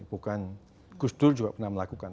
bukan gus dur juga pernah melakukan